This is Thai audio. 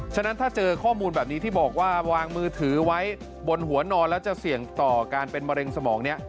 ฉะนั้นถ้าเจอข้อมูลแบบนี้ที่บอกว่าวางมือถือไว้บนหัวนอนแล้วจะเสี่ยงต่อการเป็นมะเร็งสมองนี้